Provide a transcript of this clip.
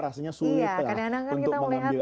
rasanya sulit lah untuk mengambil